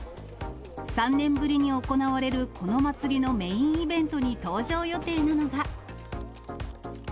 ３年ぶりに行われるこの祭りのメインイベントに登場予定なのが。